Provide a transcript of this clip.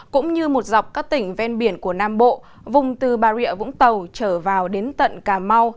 cũng như một dọc các tỉnh ven biển của nam bộ vùng từ bà rịa vũng tàu trở vào đến tận cà mau